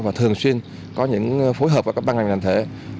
và thường xuyên có những phối hợp và các băng nành đàn thể